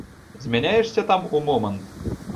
Змяняешся там у момант.